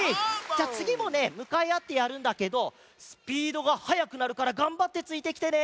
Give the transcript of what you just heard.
じゃあつぎもねむかいあってやるんだけどスピードがはやくなるからがんばってついてきてね。